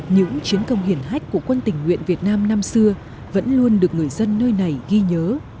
những chiến công hiển hách của quân tình nguyện việt nam năm xưa vẫn luôn được người dân nơi này ghi nhớ